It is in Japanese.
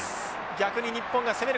逆に日本が攻める形。